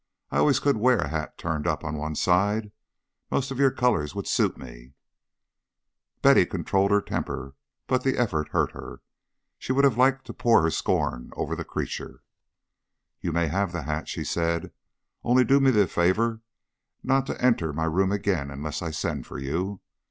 "I always could wear a hat turned up on one side, and most of your colours would suit me." Betty controlled her temper, but the effort hurt her. She would have liked to pour her scorn all over the creature. "You may have the hat," she said. "Only do me the favour not to enter my room again unless I send for you.